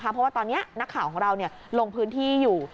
เพราะว่าตอนนี้นักข่าวของเราลงพื้นที่อยู่